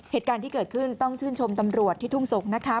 เหตุการณ์ที่เกิดขึ้นต้องชื่นชมตำรวจที่ทุ่งสงศ์นะคะ